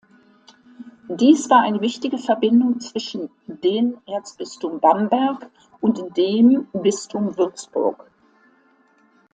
Dies war eine wichtige Verbindung zwischen den Erzbistum Bamberg und dem Bistum Würzburg.